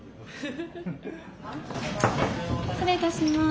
失礼いたします。